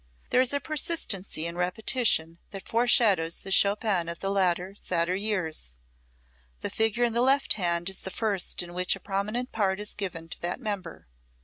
There is a persistency in repetition that foreshadows the Chopin of the later, sadder years. The figure in the left hand is the first in which a prominent part is given to that member.